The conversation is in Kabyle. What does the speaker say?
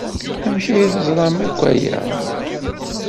Amek ay teẓram akk aya?